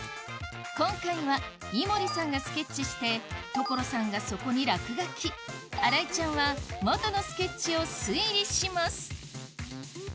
今回は井森さんがスケッチして所さんがそこに落書き新井ちゃんは元のスケッチを推理します